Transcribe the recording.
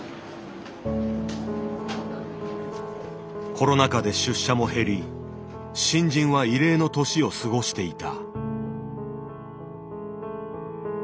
コロナ禍で出社も減り新人は異例の年を過ごしていた。